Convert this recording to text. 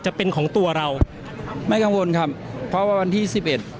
จะเป็นของตัวเราไม่กังวลครับเพราะว่าวันที่สิบเอ็ด